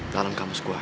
dalam kamus gue